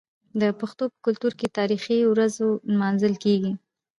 د پښتنو په کلتور کې د تاریخي ورځو لمانځل کیږي.